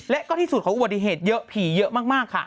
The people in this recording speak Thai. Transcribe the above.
และก็ที่สุดของอุบัติเหตุเยอะผีเยอะมากค่ะ